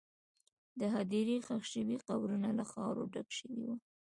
د هدیرې ښخ شوي قبرونه له خاورو ډک شوي وو.